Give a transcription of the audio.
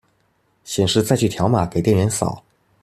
顯示載具條碼給店員掃